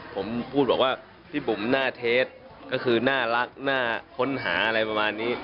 ผมพูดบอกว่าพี่บุ๋มหน้าเทสก็คือน่ารักน่าค้นหาอะไรประมาณนี้